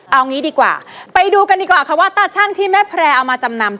เอางี้ดีกว่าไปดูกันดีกว่าค่ะว่าตาชั่งที่แม่แพร่เอามาจำนำ